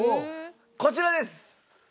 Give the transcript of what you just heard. こちらです！